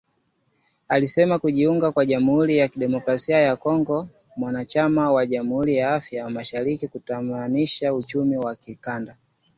Alisema kujiunga kwa Jamuhuri ya Kidemokrasia ya Kongo kama mwanachama wa Jumuiya ya Afrika Mashariki kutaimarisha uchumi wa kikanda